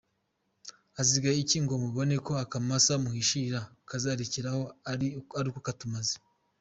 Hasigaye iki ngo mubone ko Akamasa muhishira kazarekeraho ari uko katumaze?